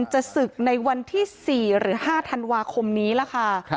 จะศึกในวันที่๔หรือ๕ธันวาคมนี้ล่ะค่ะ